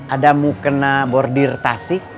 ada mu kena bordir tasik